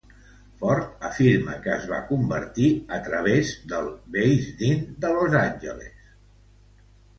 Ford afirma que es va convertir a través del Beis Din de Los Angeles.